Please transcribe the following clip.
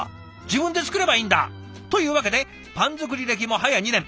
自分で作ればいいんだ」。というわけでパン作り歴も早２年。